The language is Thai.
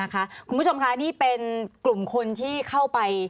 คุณผู้ชมค่ะนี่เป็นกลุ่มคนที่เข้าไป